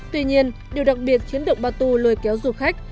tuy nhiên điều đặc biệt khiến động batu lười kéo du khách